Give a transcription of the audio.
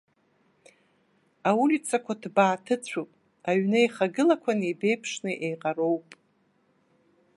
Аулицақәа ҭбааҭыцәуп, аҩны еихагылақәа неибеиԥшны еиҟароуп.